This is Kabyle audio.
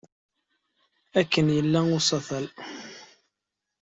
Akken yella usatal.